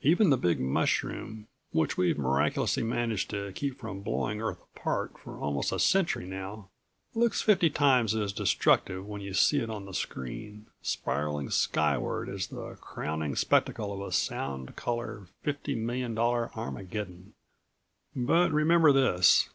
Even the Big Mushroom, which we've miraculously managed to keep from blowing Earth apart for almost a century now, looks fifty times as destructive when you see it on the screen, spiraling skyward as the crowning spectacle of a sound color, fifty million dollar Armageddon. But remember this.